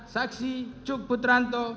saksi cuk putranto